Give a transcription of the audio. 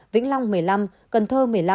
vĩnh long một mươi năm cần thơ một mươi năm